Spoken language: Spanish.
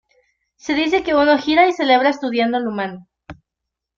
Se dice que uno gira y celebra estudiando al humano.